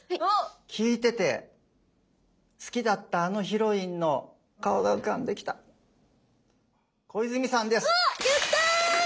聞いてて好きだったあのヒロインの顔が浮かんできた小泉さんです。